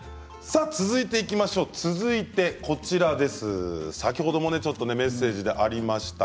続いて先ほどもメッセージでありました